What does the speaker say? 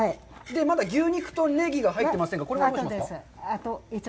まだ牛肉とネギが入ってませんが、これは？